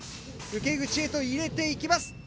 受け口へと入れていきます。